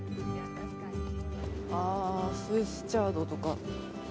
スイスシャードとか。